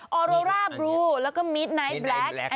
ออออออโรลาบลูแล้วก็มิดไนท์แบลค